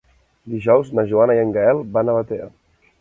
Dijous na Joana i en Gaël van a Batea.